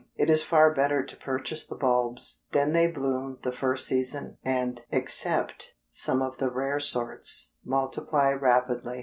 It is far better to purchase the bulbs, then they bloom the first season, and, except some of the rare sorts, multiply rapidly.